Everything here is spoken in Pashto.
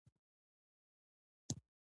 اقلیم د افغانانو د تفریح یوه وسیله ده.